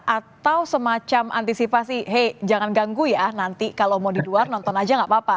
atau semacam antisipasi hei jangan ganggu ya nanti kalau mau di luar nonton aja gak apa apa